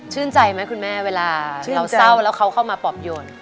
ใจไหมคุณแม่เวลาเราเศร้าแล้วเขาเข้ามาปอบโยน